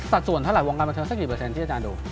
ส่วนเท่าไหวงการบันเทิงสักกี่เปอร์เซ็นที่อาจารย์ดู